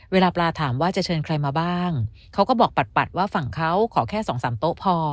เวลาปลาถามว่าจะเชิญใครมาบ้างเขาก็บอกปัดว่าฝั่งเขาขอแค่สองสามโต๊ะพอ